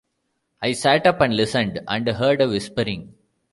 I sat up and listened and heard a whispering.